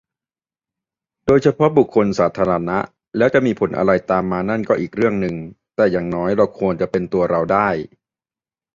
โดยเฉพาะบุคคลสาธารณะ แล้วจะมีผลอะไรตามมานั่นก็อีกเรื่องนึง แต่อย่างน้อยเราควรจะเป็นตัวเราได้